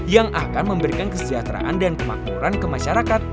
yang akan memberikan kesejahteraan dan kemakmuran ke masyarakat